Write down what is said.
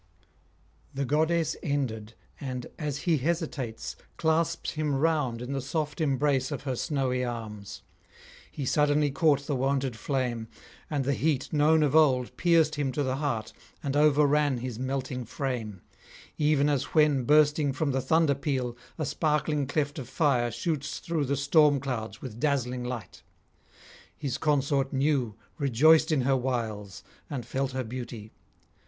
The goddess ended, and, as he hesitates, clasps him round in the soft embrace of her snowy arms. He suddenly caught the wonted flame, and the heat known of old pierced him to the heart and overran his melting frame: even as when, bursting from the thunder peal, a sparkling cleft of fire shoots through the storm clouds with dazzling light. His consort knew, rejoiced in her wiles, and felt her beauty.